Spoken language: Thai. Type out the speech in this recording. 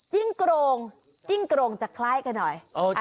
โกรงจิ้งโกรงจะคล้ายกันหน่อย